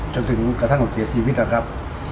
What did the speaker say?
จนถึงกระทั่งเสีย๔วิทยาครับ